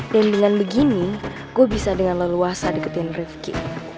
dan dengan begini gue bisa dengan leluasa deketin rifki